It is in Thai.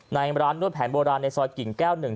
ในร้านนวดแผนโบราณในซอยกิ่งแก้ว๑